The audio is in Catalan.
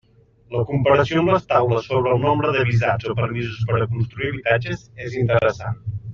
La comparació amb les taules sobre el nombre de visats o permisos per a construir habitatges és interessant.